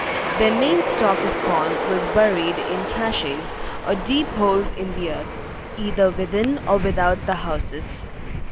Their main stock of corn was buried in caches, or deep holes in the earth, either within or without the houses.